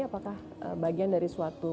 apakah bagian dari suatu